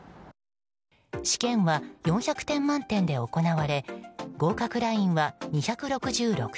試験は４００点満点で行われ合格ラインは２６６点。